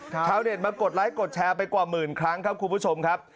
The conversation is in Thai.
ชาวเน็ตมากดไลค์กดแชร์ไปกว่าหมื่นครั้งครับคุณผู้ชมครับ